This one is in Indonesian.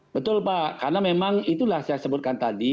betul pak karena memang itulah saya sebutkan tadi